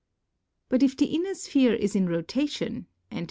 But if the inner sphere is in rotation and.